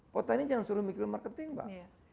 potani jangan suruh mikir marketing pak